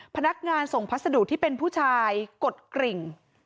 พนักงานส่งพัสดุที่เป็นผู้ชายกดกริ่ง